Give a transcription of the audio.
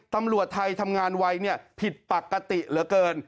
ตำรวจไทยทำงานวัยเนี่ยผิดปกติเหลือเกิน